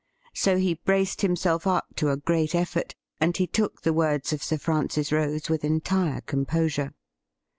So he braced himself up to a great effort, and he took the words of Sir Francis Rose with entire composure.